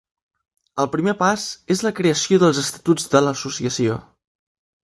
El primer pas és la creació dels estatuts de l’associació.